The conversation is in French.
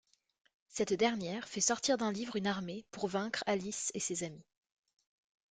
Cette dernière fait sortir d'un livre une armée pour vaincre Alice et ses amis.